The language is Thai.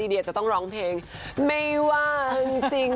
เดียจะต้องร้องเพลงไม่ว่างจริง